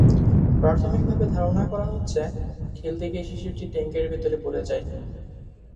প্রাথমিকভাবে ধারণা করা হচ্ছে, খেলতে গিয়ে শিশুটি ট্যাংকের ভেতরে পড়ে যায়।